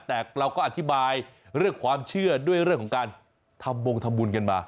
แต่เราก็อธิบายเรื่องความเชื่อด้วยเรื่องของการทำบงทำบุญกันมา